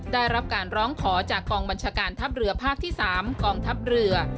ได้รับการร้องขอจากกองบัญชาการทัพเรือภาคที่๓กองทัพเรือ